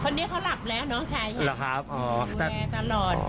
คนนี้เขาหลับแล้วน้องชายหรอครับอ๋ออยู่แลตลอด